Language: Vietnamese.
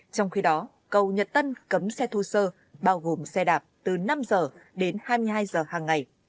trong khi đó cầu nhật tân cấm xe thu sơ bao gồm xe đạp từ năm giờ đến hai mươi hai giờ hàng ngày